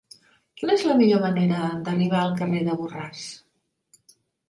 Quina és la millor manera d'arribar al carrer de Borràs?